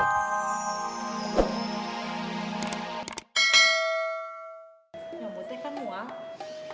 ya bu teh kan mual